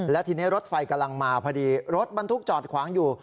และทีนี้รถไฟกำลังมาพอดีรถบรรทุกจอดขวางอยู่